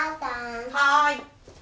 はい。